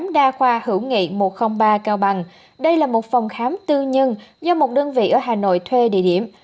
đây là một phòng khám tư nhân do một đơn vị ở hà nội thuê địa điểm